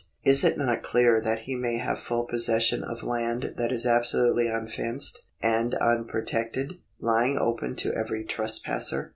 Is it not clear that he may have full possession of land that is absolutely unfenced and unprotected, lying open to every trespasser